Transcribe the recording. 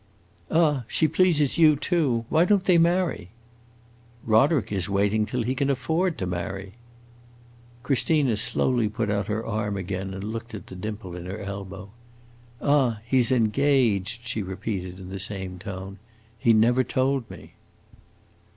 "Ah, she pleases you, too? Why don't they marry?" "Roderick is waiting till he can afford to marry." Christina slowly put out her arm again and looked at the dimple in her elbow. "Ah, he 's engaged?" she repeated in the same tone. "He never told me."